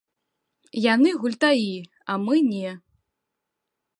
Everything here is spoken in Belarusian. Яны гультаі, а мы не.